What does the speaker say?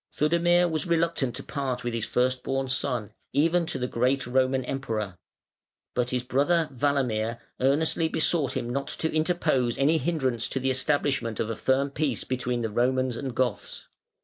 Theudemir was reluctant to part with his first born son, even to the great Roman Emperor. But his brother Walamir earnestly besought him not to interpose any hindrance to the establishment of a firm peace between the Romans and Goths.